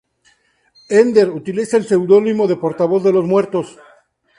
Ender utiliza el seudónimo de Portavoz de los muertos.